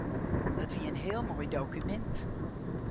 Dat wie in heel moai dokumint.